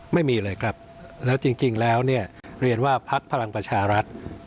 ไม่มีเลยครับแล้วจริงแล้วเนี่ยเรียนว่าพักพลังประชารัฐ